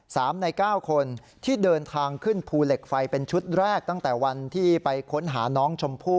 ในเก้าคนที่เดินทางขึ้นภูเหล็กไฟเป็นชุดแรกตั้งแต่วันที่ไปค้นหาน้องชมพู่